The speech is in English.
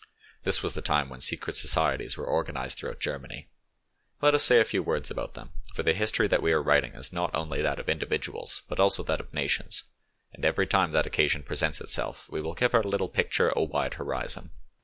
This was the time when secret societies were organised throughout Germany; let us say a few words about them, for the history that we are writing is not only that of individuals, but also that of nations, and every time that occasion presents itself we will give our little picture a wide horizon.